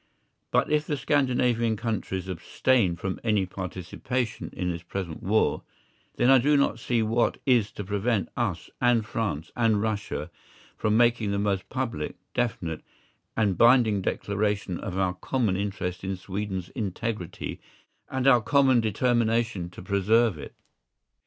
But if the Scandinavian countries abstain from any participation in this present war, then I do not see what is to prevent us and France and Russia from making the most public, definite, and binding declaration of our common interest in Sweden's integrity and our common determination to preserve it.